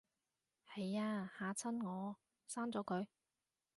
係吖，嚇親我，刪咗佢